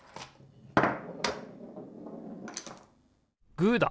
グーだ！